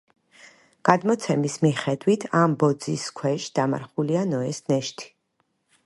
გადმოცემის მიხედვით, ამ ბოძის ქვეშ დამარხულია ნოეს ნეშთი.